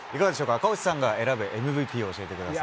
赤星さんが選ぶＭＶＰを教えてください。